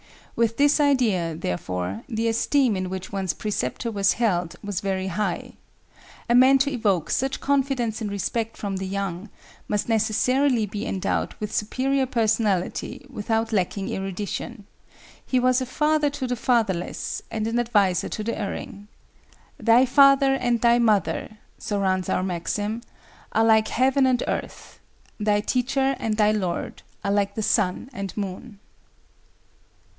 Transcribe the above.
With this idea, therefore, the esteem in which one's preceptor was held was very high. A man to evoke such confidence and respect from the young, must necessarily be endowed with superior personality without lacking erudition. He was a father to the fatherless, and an adviser to the erring. "Thy father and thy mother"—so runs our maxim—"are like heaven and earth; thy teacher and thy lord are like the sun and moon."